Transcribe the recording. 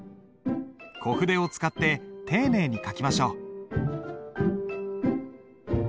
小筆を使って丁寧に書きましょう。